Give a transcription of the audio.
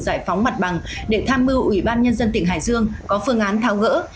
giải phóng mặt bằng để tham mưu ủy ban nhân dân tỉnh hải dương có phương án tháo gỡ